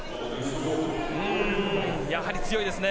やはり強いですね。